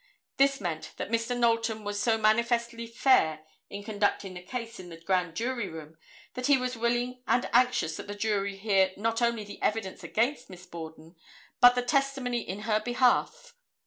This meant that Mr. Knowlton was so manifestly fair in conducting the case in the grand jury room, that he was willing and anxious that the jury hear not only the evidence against Miss Borden, but the testimony in her behalf.